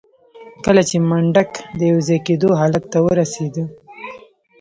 کله چې منډک د يوځای کېدو حالت ته ورسېده.